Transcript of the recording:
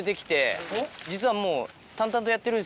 実はもう。